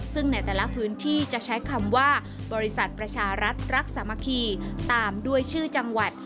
ซึ่งในแต่ละพื้นที่จะใช้คำว่าบริษัทประชารัฐรักสามัคคีตามด้วยชื่อจังหวัด